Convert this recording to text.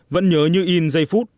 vẫn nhớ như in giây phút